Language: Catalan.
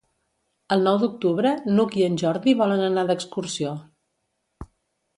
El nou d'octubre n'Hug i en Jordi volen anar d'excursió.